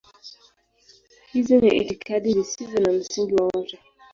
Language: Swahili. Hizi ni itikadi zisizo na msingi wowote.